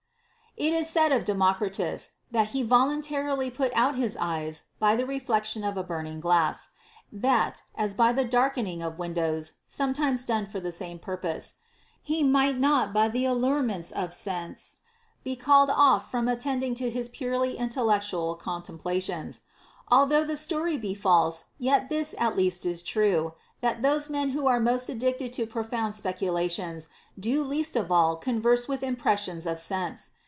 It is said of Democritus, that he voluntarily put out his eyes by the reflection of a burning glass, that (as by the darkening of windows, sometimes done for the same pur pose) he might not by the allurements of sense be called off from attending to his purely intellectual contempla tions. Although the story be false, yet this at least is true, that those men who are most addicted to profound speculations do least of all converse with impressions of sense.